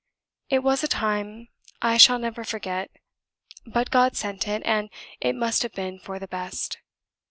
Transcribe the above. It was a time I shall never forget; but God sent it, and it must have been for the best.